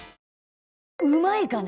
うまいかね？